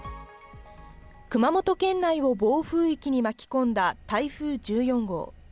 熊本県内を暴風域に巻き込んだ台風１４号。